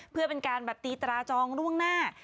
เพื่อเป็นการแบบตีตราจองล่วงหน้า